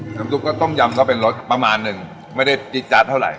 ซุปก็ต้มยำก็เป็นรสประมาณหนึ่งไม่ได้จี๊ดจัดเท่าไห